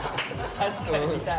確かに見たい。